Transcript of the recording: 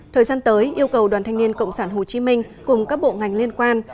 thời gian tới yêu cầu đoàn thanh niên cộng sản hồ chí minh cùng các bộ ngành liên quan